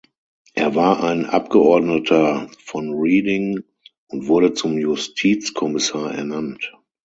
Er war ein Abgeordneter von Reading und wurde zum Justizkommissar ernannt.